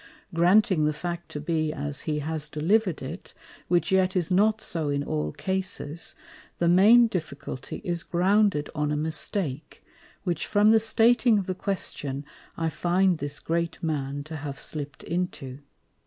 _ Granting the Fact to be as he has deliver'd it, which yet is not so in all Cases, the main Difficulty is grounded on a Mistake, which from the stating of the Question I find this Great Man to have slipt into.